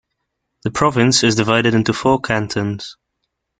The province is divided into four cantons.